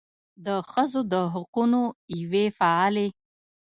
د ښځو د حقونو یوې فعالې